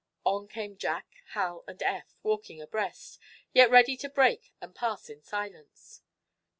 On came Jack, Hal and Eph, walking abreast, yet ready to break and pass in silence.